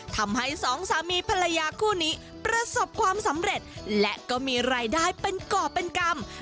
ทำให้สองสามีภรรยาคู่นี้ประสบความสำเร็จและก็มีรายได้เป็นก่อเป็นกรรม